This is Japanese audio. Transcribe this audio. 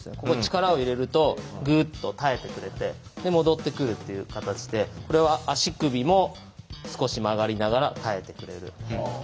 ここ力を入れるとグッと耐えてくれてで戻ってくるっていう形でこれは足首も少し曲がりながら耐えてくれる。